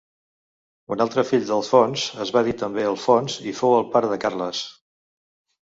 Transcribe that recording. Un altre fill d'Alfons es va dir també Alfons i fou el pare de Carles.